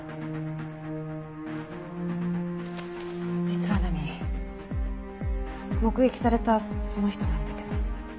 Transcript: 実は菜美目撃されたその人なんだけど。